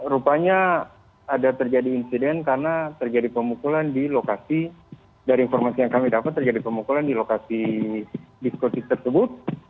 rupanya ada terjadi insiden karena terjadi pemukulan di lokasi dari informasi yang kami dapat terjadi pemukulan di lokasi diskotik tersebut